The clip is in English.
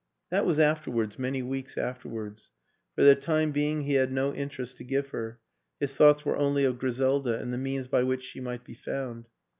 That was afterwards, many weeks afterwards; for the time being he had no interest to give her, his thoughts were only of Griselda and the means by which she might be found.